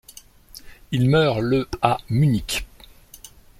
Il meurt le à Munich.